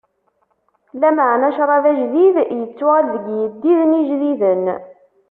Lameɛna ccṛab ajdid ittuɣal deg iyeddiden ijdiden.